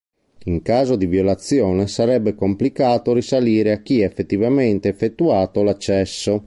In caso di violazione, sarebbe complicato risalire a chi ha effettivamente effettuato l'accesso.